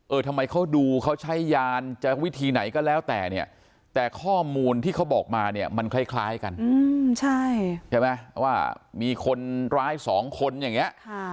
ทำไมเขาดูเขาใช้ยานจะวิธีไหนก็แล้วแต่เนี่ยแต่ข้อมูลที่เขาบอกมาเนี่ยมันคล้ายกันใช่ไหมว่ามีคนร้ายสองคนอย่างนี้